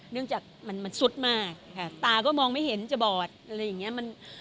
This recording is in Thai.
เนื่องจากมันซุดมากค่ะตาก็มองไม่เห็นจะบอดอะไรอย่างนี้